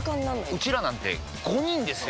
ウチらなんて５人ですよ！